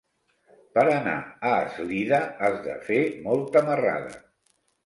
Per anar a Eslida has de fer molta marrada.